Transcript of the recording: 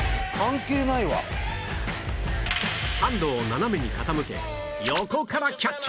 ハンドを斜めに傾け横からキャッチ！